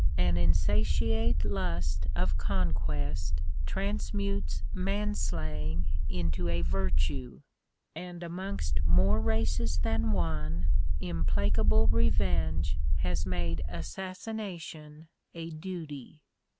An insatiate lust of conquest transmutes manslaying into a virtue ; and, amongst more races than one, implacable revenge has made assassination a duty.